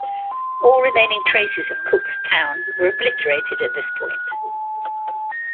All remaining traces of Cooke's town were obliterated at this point.